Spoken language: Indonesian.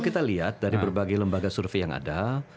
kita lihat dari berbagai lembaga survei yang ada